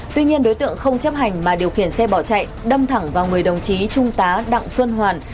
tuy nhiên đối tượng không chấp hành mà điều khiển xe bỏ chạy đâm thẳng vào người đồng chí trung tá đặng xuân hoàn